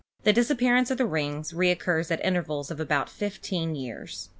The disappearance of the rings recurs at in tervals of about fifteen years.